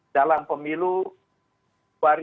dalam pemilu dua ribu dua puluh